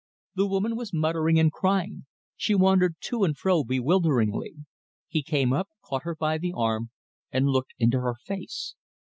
The woman was muttering and crying. She wandered to and fro bewilderedly. He came up, caught her by the arm, and looked into her face.